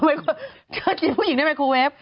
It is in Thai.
เมื่อกี้ผู้หญิงได้ไมค์คูเวฟ